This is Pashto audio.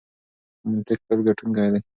منطق تل ګټونکی دی.